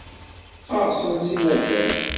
Qqerṣen si naddam.